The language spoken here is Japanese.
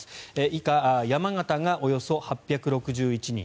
以下、山形がおよそ８６１人